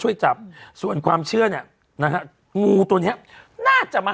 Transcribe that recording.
ช่วยจับส่วนความเชื่อเนี่ยนะฮะงูตัวเนี้ยน่าจะมา